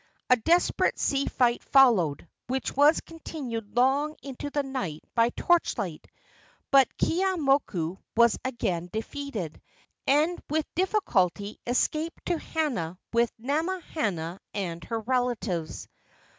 A desperate sea fight followed, which was continued long into the night by torchlight; but Keeaumoku was again defeated, and with difficulty escaped to Hana with Namahana and her relatives.